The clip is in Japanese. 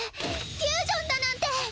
フュージョンだなんて！